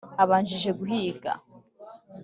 Abanjije guhiga